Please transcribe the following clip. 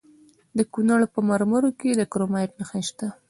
د کونړ په مروره کې د کرومایټ نښې شته.